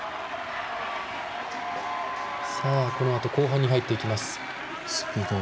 このあと後半に入ってきています。